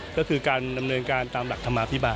ก็คือการดำเนินการตามหลักธรรมาภิบาล